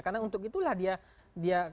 karena untuk itulah dia